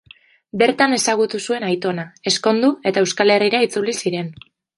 Bertan ezagutu zuen aitona, ezkondu, eta Euskal Herrira itzuli ziren.